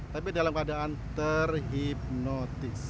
tapi dalam keadaan terhipnotis